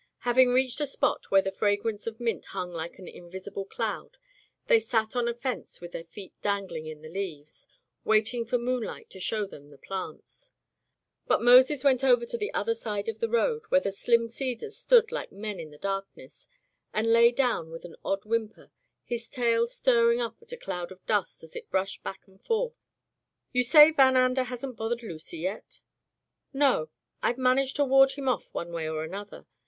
Having reached a spot where the fra grance of mint hung like an invisible cloud, they sat on a fence with their feet dangling in die leaves, waiting for moonlight to show them the plants; but Moses went over to the [ 325 ] Digitized by LjOOQ IC Interventions other side of the road, where the slim cedars stood like men in the darkness, and lay down with an odd whimper, his tail stirring up a cloud of dust as it brushed back and forth. You say Van Ander hasn't bothered Lucy yet?" "No; Fve managed to ward him off one way or another.